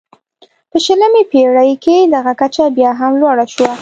په شلمې پېړۍ کې دغه کچه بیا هم لوړه شوه.